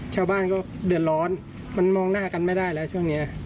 ชาวบ้านก็เดือดร้อนมันมองหน้ากันไม่ได้แล้วช่วงนี้